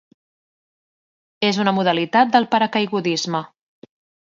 És una modalitat del paracaigudisme.